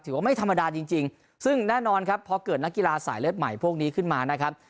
ว่าไม่ธรรมดาจริงซึ่งแน่นอนครับพอเกิดนักกีฬาสายเลือดใหม่พวกนี้ขึ้นมานะครับ